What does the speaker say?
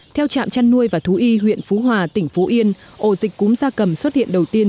theo trạm chăn nuôi và thú y huyện phú hòa tỉnh phú yên ổ dịch cúm da cầm xuất hiện đầu tiên